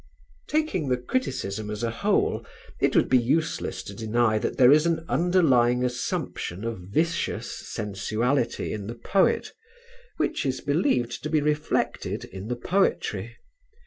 _) Taking the criticism as a whole it would be useless to deny that there is an underlying assumption of vicious sensuality in the poet which is believed to be reflected in the poetry.